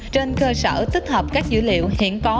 trên cơ sở tích hợp các dữ liệu hiện có